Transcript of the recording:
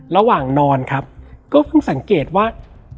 นอนครับก็เพิ่งสังเกตว่า